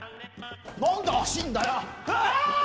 何で走んだよわっ！